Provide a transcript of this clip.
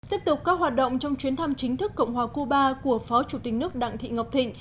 tiếp tục các hoạt động trong chuyến thăm chính thức cộng hòa cuba của phó chủ tịch nước đặng thị ngọc thịnh